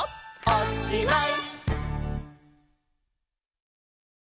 「おしまい！」